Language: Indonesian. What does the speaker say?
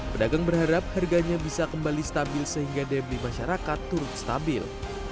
pedagang berharap harganya bisa kembali stabil sehingga daya beli masyarakat turut stabil